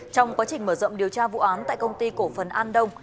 trong quá trình mở rộng điều tra vụ án tại công ty cổ phần an đông